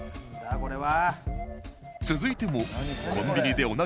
これは。